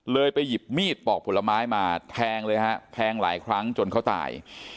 ไปหยิบมีดปอกผลไม้มาแทงเลยฮะแทงหลายครั้งจนเขาตาย